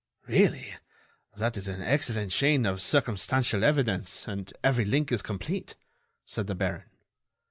"Really, that is an excellent chain of circumstantial evidence and every link is complete," said the baron.